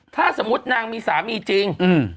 ถ้าสมมุตินางมีสามีจริง